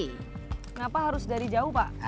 kenapa harus dari jauh pak